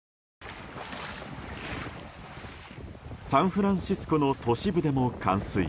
サンフランシスコの都市部でも冠水。